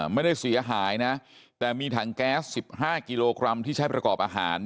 ไม่ได้เสียหายนะแต่มีถังแก๊ส๑๕กิโลกรัมที่ใช้ประกอบอาหาร